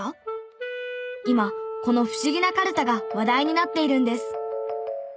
今この不思議なカルタが話題になっているんです。